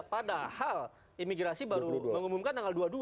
padahal imigrasi baru mengumumkan tanggal dua puluh dua